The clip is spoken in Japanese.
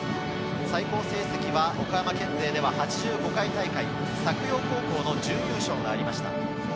最高成績は岡山県勢では８５回大会、作陽高校の準優勝が入りました。